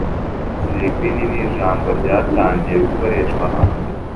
Slay Queen' ni ijambo ryatangiye gukoreshwa hambere